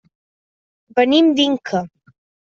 Venim d'Inca.